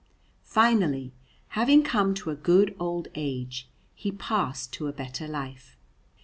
Finally, having come to a good old age, he passed to a better life.